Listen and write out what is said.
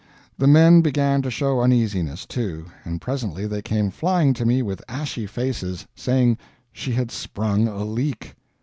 The men began to show uneasiness, too, and presently they came flying to me with ashy faces, saying she had sprung a leak.